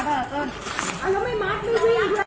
เอาอะไรมาเถอะนะเกิ้ล